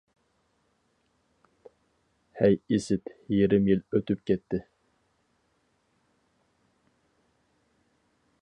ھەي ئىسىت. يېرىم يىل ئۆتۈپ كەتتى.